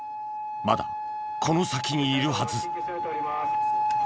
まだこの先にいるはず。